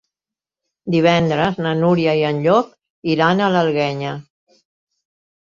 Divendres na Núria i en Llop iran a l'Alguenya.